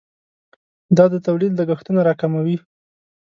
دا د تولید لګښتونه راکموي.